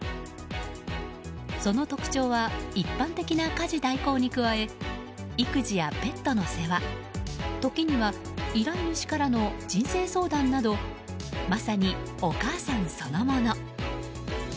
その特徴は一般的な家事代行に加え育児やペットの世話時には依頼主からの人生相談などまさに、お母さんそのもの。